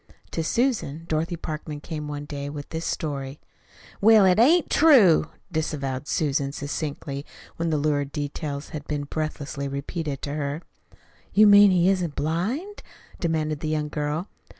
To Susan, Dorothy Parkman came one day with this story. "Well, 't ain't true," disavowed Susan succinctly when the lurid details had been breathlessly repeated to her. "You mean he isn't blind?" demanded the young girl.